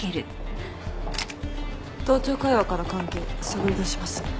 盗聴会話から関係探りだします。